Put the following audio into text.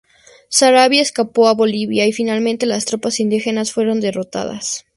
Saravia escapó a Bolivia y finalmente las tropas indígenas fueron derrotadas.